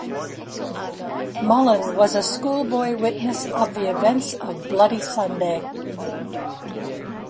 Mullan was a schoolboy witness of the events of Bloody Sunday.